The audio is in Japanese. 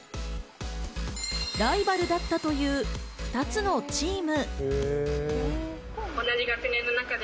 ライバルだったという２つのチーム。